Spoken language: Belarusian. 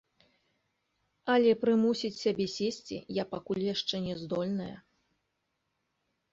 Але прымусіць сябе сесці я пакуль яшчэ не здольная.